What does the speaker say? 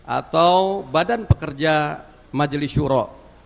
atau badan pekerja majelis syuro